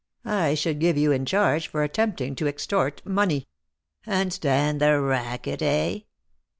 I should give you in charge for attempting to extort money." "And stand the racket, eh